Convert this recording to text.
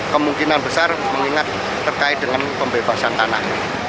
kemungkinan besar mengingat terkait dengan pembebasan tanah